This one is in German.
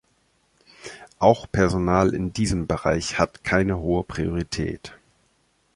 Auch Personal in diesem Bereich hat keine hohe Priorität.